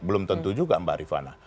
belum tentu juga mbak rifana